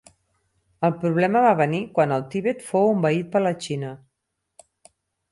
El problema va venir quan el Tibet fou envaït per la Xina.